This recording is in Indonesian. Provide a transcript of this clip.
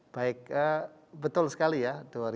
baik betul sekali ya